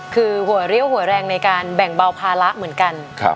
คือหัวเรี่ยวหัวแรงในการแบ่งเบาภาระเหมือนกัน